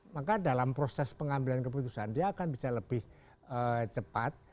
maka dalam proses pengambilan keputusan dia akan bisa lebih cepat